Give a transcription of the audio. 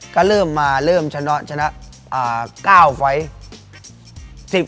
ก็เริ่มมาเริ่มชนะชนะ๙ไฟล์